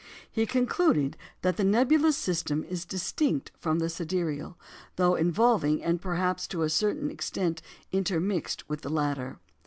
He concluded "that the nebulous system is distinct from the sidereal, though involving, and perhaps to a certain extent intermixed with, the latter."